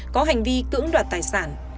có hành vi cưỡng đoạt tài sản